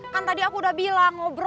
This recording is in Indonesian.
kan tadi aku udah bilang